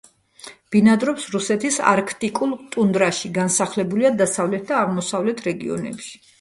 ბინადრობს რუსეთის არქტიკულ ტუნდრაში, განსახლებულია დასავლეთ და აღმოსავლეთ რეგიონებში.